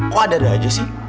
kok ada aja sih